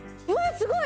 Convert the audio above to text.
すごい！